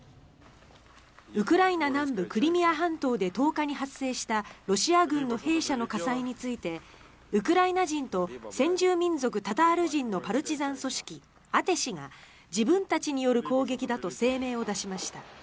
ウクライナ南部クリミア半島で１０日に発生したロシア軍の兵舎の火災についてウクライナ人と先住民族タタール人のパルチザン組織アテシが自分たちによる攻撃だと声明を出しました。